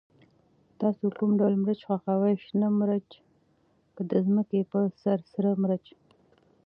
تاسو کوم ډول مرچ خوښوئ، شنه مرچ که د ځمکې په سر سره مرچ؟